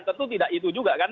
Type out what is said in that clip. tentu tidak itu juga kan